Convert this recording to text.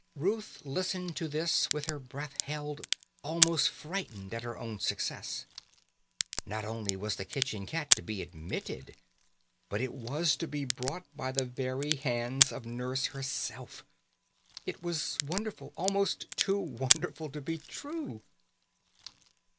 Ruth listened to this with her breath held, almost frightened at her own success. Not only was the kitchen cat to be admitted, but it was to be brought by the very hands of Nurse herself. It was wonderful almost too wonderful to be true.